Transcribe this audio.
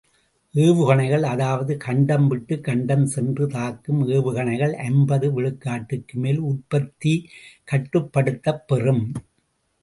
ஏவுகணைகள் அதாவது கண்டம் விட்டுக் கண்டம் சென்று தாக்கும் ஏவுகணைகள் ஐம்பது விழுக்காட்டுக்கு மேல், உற்பத்தி கட்டுப்படுத்தப் பெறும்.